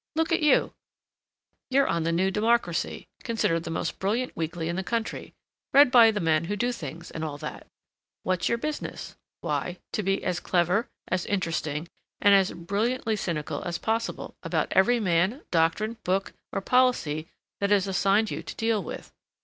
Look at you; you're on The New Democracy, considered the most brilliant weekly in the country, read by the men who do things and all that. What's your business? Why, to be as clever, as interesting, and as brilliantly cynical as possible about every man, doctrine, book, or policy that is assigned you to deal with.